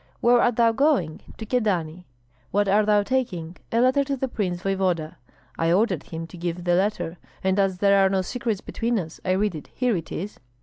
'Where art thou going?' 'To Kyedani.' 'What art thou taking?' 'A letter to the prince voevoda.' I ordered him to give the letter, and as there are no secrets between us I read it. Here it is!"